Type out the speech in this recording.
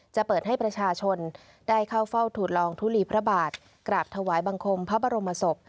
จะเปิดให้ประชาชนได้เข้าเฝ้าถูดลองทุลีพระบาทกราบถวายบังคมพระบรมศพ